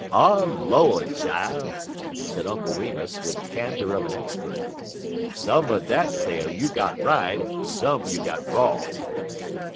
"Ah, Lord, chile!" said Uncle Remus, with the candor of an expert, "some er dat tale you got right, en some you got wrong."